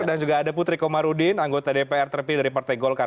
dan juga ada putri komarudin anggota dpr terpilih dari partai golkar